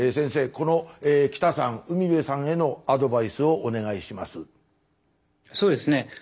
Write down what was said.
この北さん海辺さんへのアドバイスをお願いします。